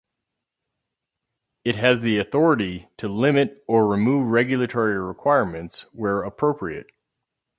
It has the authority to limit or remove regulatory requirements where appropriate.